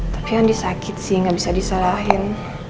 tapi andi sakit sih gak bisa disalahin